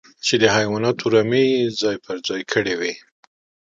چې د حيواناتو رمې يې ځای پر ځای کړې وې.